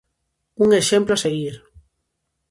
Un exemplo a seguir!